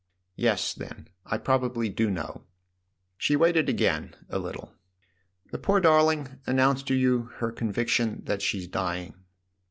Yes, then; I probably do know." She waited again a little. "The poor darling announced to you her conviction that she's dying."